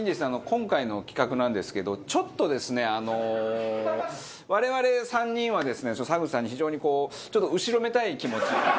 今回の企画なんですけどちょっとですねあの我々３人はですね沢口さんに非常にこうちょっと後ろめたい気持ちがございましてね